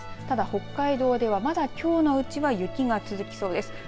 ただ北海道ではまだきょうのうちは雪が続きそうです。